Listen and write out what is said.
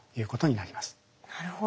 なるほど。